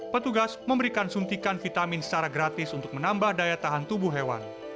petugas memberikan suntikan vitamin secara gratis untuk menambah daya tahan tubuh hewan